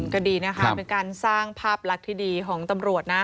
ก็ดีนะคะเป็นการสร้างภาพลักษณ์ที่ดีของตำรวจนะ